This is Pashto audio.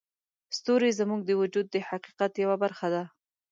ستوري زموږ د وجود د حقیقت یوه برخه دي.